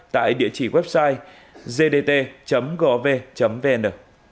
tại địa chỉ website gdt gov vn